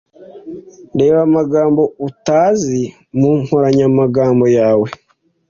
Reba amagambo utazi mu nkoranyamagambo yawe.